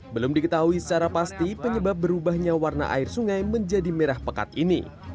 belum diketahui secara pasti penyebab berubahnya warna air sungai menjadi merah pekat ini